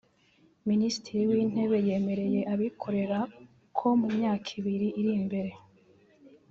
Ministiri w’Intebe yemereye abikorera ko mu myaka ibiri iri imbere